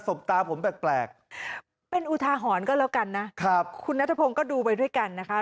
บตาผมแปลกเป็นอุทาหรณ์ก็แล้วกันนะครับคุณนัทพงศ์ก็ดูไปด้วยกันนะคะ